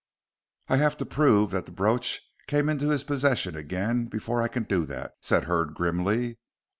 "I have to prove that the brooch came into his possession again before I can do that," said Hurd, grimly.